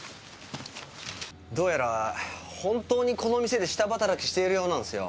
どうやら本当にこの店で下働きしているようなんですよ。